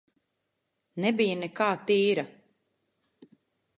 Nebija nekā tīra.